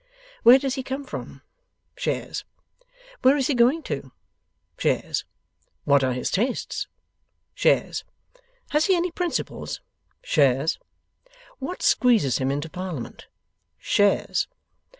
Where does he come from? Shares. Where is he going to? Shares. What are his tastes? Shares. Has he any principles? Shares. What squeezes him into Parliament? Shares.